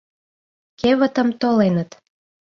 Кевытым толеныт.